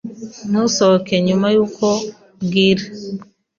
Ntusohoke nyuma yuko bwira.